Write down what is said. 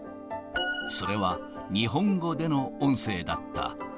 それは、日本語での音声だった。